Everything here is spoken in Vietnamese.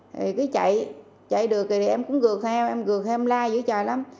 thì cứ chạy chạy được thì em cũng gượt theo em gượt theo em la dữ trời lắm